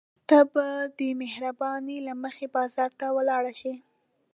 ته به د مهربانۍ له مخې بازار ته ولاړ شې.